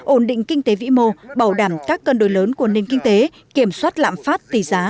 ổn định kinh tế vĩ mô bảo đảm các cân đối lớn của nền kinh tế kiểm soát lạm phát tỷ giá